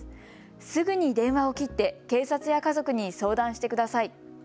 すぐに電話を切って警察や家族に相談してください。